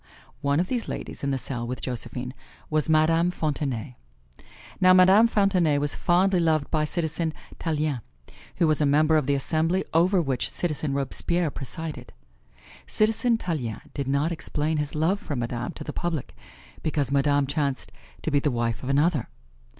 One of these ladies in the cell with Josephine was Madame Fontenay. Now Madame Fontenay was fondly loved by Citizen Tallien, who was a member of the Assembly over which Citizen Robespierre presided. Citizen Tallien did not explain his love for Madame to the public, because Madame chanced to be the wife of another.